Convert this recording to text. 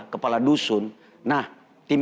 kepala dusun nah tim